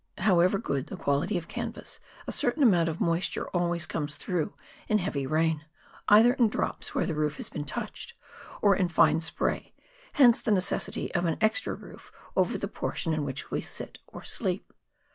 However good the quality of canvas, a certain amount of moisture always comes through in heavy rain, either in drops where the roof has been touched, or in fine spray, hence the necessity of an extra roof over the portion in which we sit or sleep.